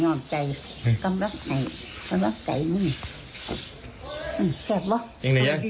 มันต้องทำให้ถูกต้องทำกันในที่